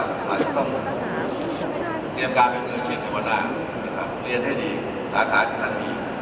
เราจะต้องเตรียมการเป็นมือชิดให้วันหน้าเรียนให้ดีสาขาที่ท่านมี